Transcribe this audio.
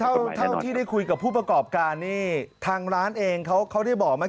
เท่าเท่าที่ได้คุยกับผู้ประกอบการนี่ทางร้านเองเขาได้บอกไหม